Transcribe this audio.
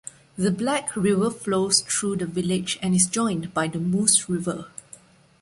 The Black River flows through the village and is joined by the Moose River.